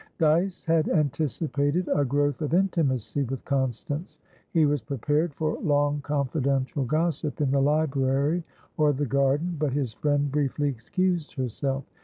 Dyce had anticipated a growth of intimacy with Constance; he was prepared for long, confidential gossip in the library or the garden; but his friend briefly excused herself.